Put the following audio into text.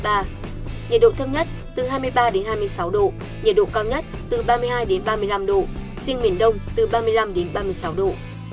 nhiệt độ thấp nhất từ hai mươi ba đến hai mươi sáu độ nhiệt độ cao nhất từ ba mươi hai ba mươi năm độ riêng miền đông từ ba mươi năm đến ba mươi sáu độ